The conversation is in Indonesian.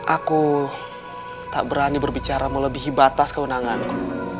aku tak berani berbicara melebihi batas kewenanganku